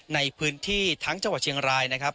ในพื้นที่ทั้งจังหวัดเชียงรายนะครับ